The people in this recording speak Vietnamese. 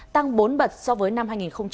tăng bốn bật so với năm hai nghìn một mươi bảy